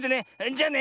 じゃあね。